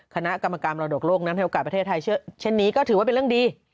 คณะกรรมการมรดกโลกนั้นให้โอกาสประเทศไทยเช่นนี้ก็ถือว่าเป็นเรื่องดี